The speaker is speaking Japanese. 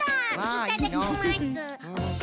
いただきます。